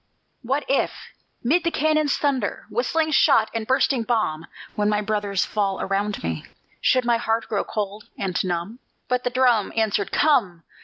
"What if, 'mid the cannons' thunder, Whistling shot and bursting bomb, When my brothers fall around me, Should my heart grow cold and numb?" But the drum Answered: "Come!